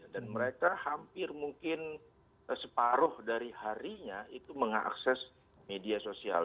dan mereka hampir mungkin separuh dari harinya itu mengakses media sosial